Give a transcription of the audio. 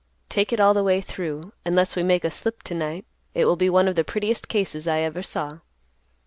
Take it all the way through, unless we make a slip to night, it will be one of the prettiest cases I ever saw."